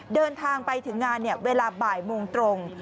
เดินทางไปถึงงานเวลาบ่ายโมงตรง